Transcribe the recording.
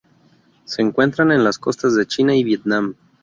Se encuentran en las costas de China y Vietnam.